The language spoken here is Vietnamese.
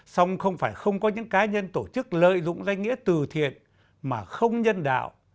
xong không phải không có những cá nhân tổ chức lợi dụng danh nghĩa từ thiện mà không nhân đạo